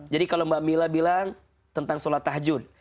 jadi kalau mbak mila bilang tentang sholat tahajud